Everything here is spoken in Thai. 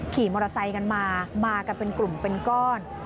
ขี่มอเตอร์ไซค์กันมามากันเป็นกลุ่มเป็นก้อน